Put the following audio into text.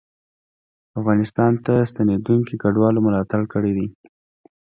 افغانستان ته ستنېدونکو کډوالو ملاتړ کړی دی